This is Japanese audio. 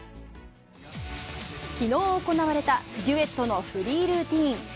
きのう行われたデュエットのフリールーティン。